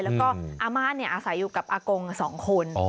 แล้วก็อาม่าเนี่ยอาศัยอยู่กับอากงสองคน